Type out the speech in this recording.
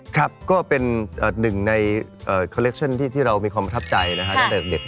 ครับก็เป็นหนึ่งในคอลเลคชั่นที่เรามีความประทับใจนะฮะตั้งแต่เด็ก